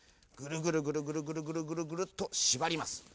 ぐるぐるぐるぐるぐるぐるっとしばります。